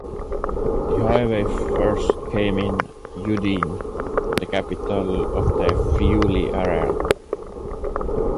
The highway first came in Udine, the capital of the Friuli area.